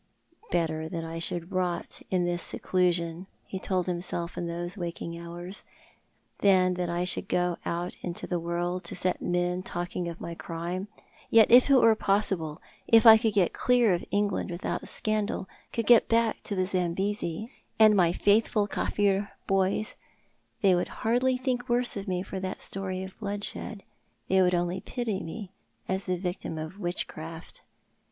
"Better that I should rot in this seclusion," he told himself in those waking hours, "than that I should go out into the world to set men talking of my crime. Yet if it were possible —if I could get clear of England without scandal — could get back to the Zambesi and my faithful Kaffir boys, they would hardly think worse of me for that story of bloodshed. They would only pity me as the victim of witchcraft."